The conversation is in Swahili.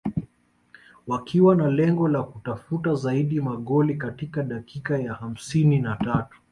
wakiwa na lengo la kutafuta zaidi magoli katika dakika ya hamsini na tatu